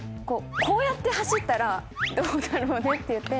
こうやって走ったらどうだろうね？って言って。